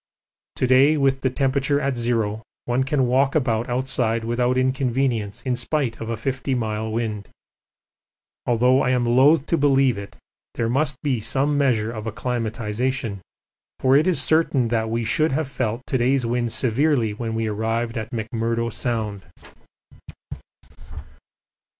To day with the temperature at zero one can walk about outside without inconvenience in spite of a 50 mile wind. Although I am loath to believe it there must be some measure of acclimatisation, for it is certain we should have felt to day's wind severely when we first arrived in McMurdo Sound.